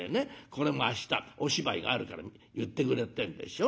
これも明日お芝居があるから結ってくれってえんでしょ。